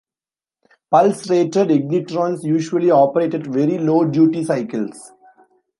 Pulse rated ignitrons usually operate at very low duty cycles.